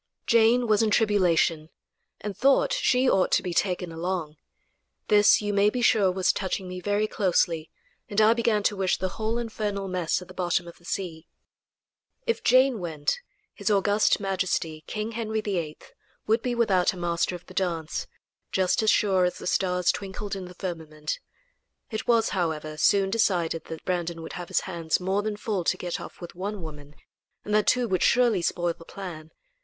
Jane was in tribulation, and thought she ought to be taken along. This, you may be sure, was touching me very closely, and I began to wish the whole infernal mess at the bottom of the sea. If Jane went, his august majesty, King Henry VIII, would be without a Master of the Dance, just as sure as the stars twinkled in the firmament. It was, however, soon decided that Brandon would have his hands more than full to get off with one woman, and that two would surely spoil the plan.